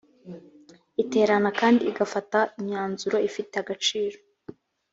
iterana kandi igafata imyanzuro ifite agaciro